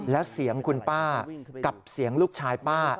และเสียงคุณป้ากับเสียงลูกชายป้า